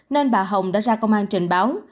nên bà hồng đã ra công an trình báo